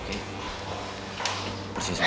kamu salah satu